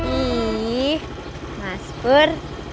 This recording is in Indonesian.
ih mas pur